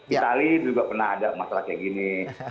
itali juga pernah ada masalah kayak gini